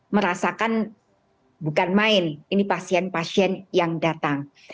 merasakan bukan main ini pasien pasien yang datang